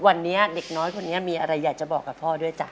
วันนี้เด็กน้อยคนนี้มีอะไรอยากจะบอกกับพ่อด้วยจ้ะ